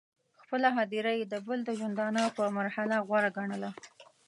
خپله هدیره یې د بل د ژوندانه پر محله غوره ګڼله.